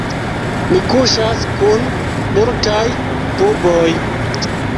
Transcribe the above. Mi kuŝas kun multaj buboj.